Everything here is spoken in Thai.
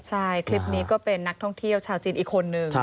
ใช่คลิปนี้ก็เป็นนักท่องเที่ยวชาวจีนอีกคนนึง